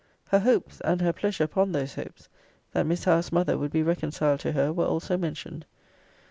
Her hopes (and her pleasure upon those hopes) that Miss Howe's mother would be reconciled to her, were also mentioned.